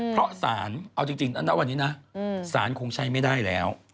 เพราะสารเอาจริงนะวันนี้นะสารคงใช้ไม่ได้แล้ว